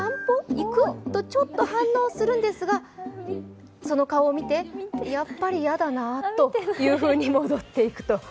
行く？とちょっと反応するんですがその顔を見てやっぱり嫌だなと戻っていくと。